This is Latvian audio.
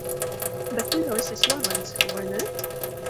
Bet tu jau esi slavens, vai ne?